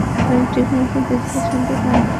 আমি ঠিকমতো দেখতে-শুনতে পাই না।